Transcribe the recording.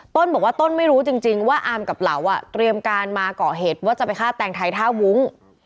ต้นบอกว่าต้นไม่รู้จริงว่าอามกับเหลาเตรียมการมาเกาะเหตุว่าจะไปฆ่าแตงไทยท่าวุ้ง